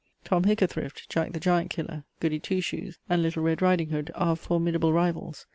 TOM HICKATHRIFT, JACK THE GIANT KILLER, GOODY TWO SHOES, and LITTLE RED RIDING HOOD are formidable rivals.